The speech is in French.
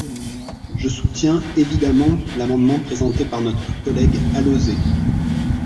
Je soutiens, évidemment, l’amendement présenté par notre collègue Alauzet.